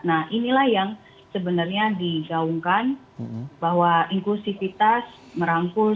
nah inilah yang sebenarnya digaungkan bahwa inklusivitas merangkul